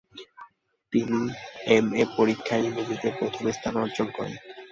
তিনি এমএ পরীক্ষায় ইংরেজিতে প্রথম স্থান অর্জন করেন।